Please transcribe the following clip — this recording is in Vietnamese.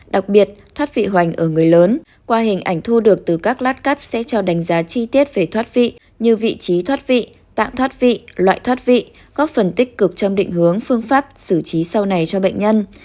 đặc biệt thoát vị hoành ở người lớn qua hình ảnh thu được từ các lát cắt sẽ cho đánh giá chi tiết về thoát vị như vị trí thoát vị tạm thoát vị loại thoát vị góp phần tích cực trong định hướng phương pháp xử trí sau này cho bệnh nhân